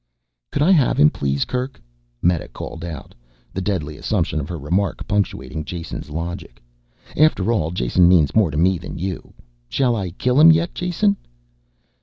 "Could I have him, please Kerk?" Meta called out, the deadly assumption of her remark punctuating Jason's logic. "After all, Jason means more to me than you. Shall I kill him yet, Jason?"